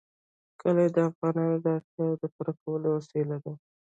کلي د افغانانو د اړتیاوو د پوره کولو وسیله ده.